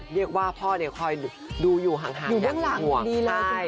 เรียกว่าพ่อเนี่ยคอยดูอยู่ห่างอย่างห่วง